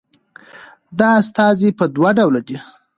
دا استازي په دوه ډوله ده